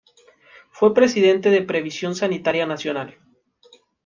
Fue presidente de Previsión Sanitaria Nacional.